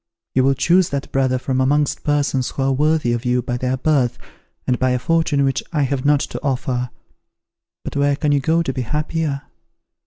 You will choose that brother from amongst persons who are worthy of you by their birth, and by a fortune which I have not to offer. But where can you go to be happier?